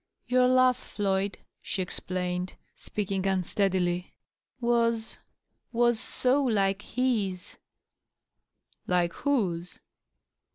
"Your laugh, Floyd," she explained, speaking unsteadily, "was was so like Aw." "Like whose?"